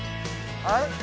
はい？